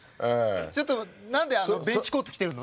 ちょっと何でベンチコート着てるの？